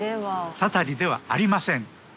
たたりではありません。